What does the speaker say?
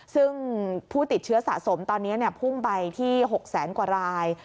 ซึ่งผู้ติดเชื้อสะสมตอนนี้พุ่งไปที่๖แสนกว่าราย